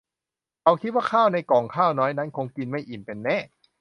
เขาคิดว่าข้าวในก่องข้าวน้อยนั้นคงกินไม่อิ่มเป็นแน่